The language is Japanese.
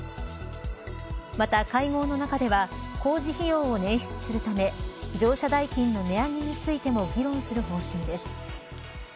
また会合の中では工事費用を捻出するため乗車代金の値上げについても議論する方針です。